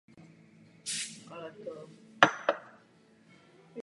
Žije se svou ženou a dvěma psy a je fanouškem Los Angeles Lakers.